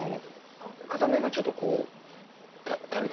片目がちょっとこう垂れて。